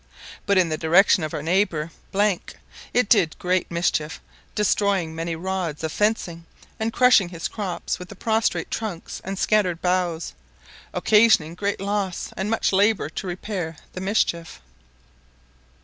But in the direction of our neighbour it did great mischief, destroying many rods of fencing, and crushing his crops with the prostrate trunks and scattered boughs, occasioning great loss and much labour to repair the mischief.